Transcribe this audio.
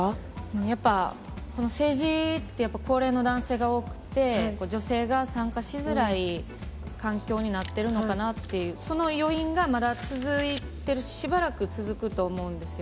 やっぱり政治って、やっぱり高齢の男性が多くって、女性が参加しづらい環境になっているのかなっていう、その余韻がまだ、続いてる、しばらく続くと思うんですよ。